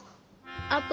あと